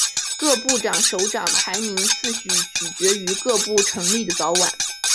各部首长排名次序取决于各部成立的早晚。